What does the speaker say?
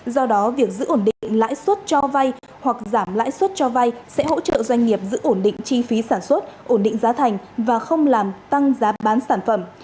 do đó việc giữ ổn định lãi suất cho vay hoặc giảm lãi suất cho vay sẽ hỗ trợ doanh nghiệp giữ ổn định chi phí sản xuất ổn định giá thành và không làm tăng giá bán sản phẩm